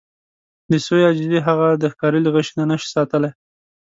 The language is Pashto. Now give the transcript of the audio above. د سویې عاجزي هغه د ښکاري له غشي نه شي ساتلی.